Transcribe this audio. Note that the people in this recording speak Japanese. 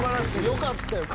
よかったよ。